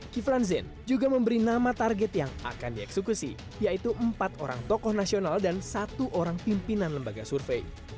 kiflan zain juga memberi nama target yang akan dieksekusi yaitu empat orang tokoh nasional dan satu orang pimpinan lembaga survei